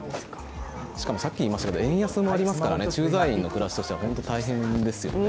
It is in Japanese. さっきいいましたけど円安もありました駐在員の暮らしとしては本当に大変ですよね。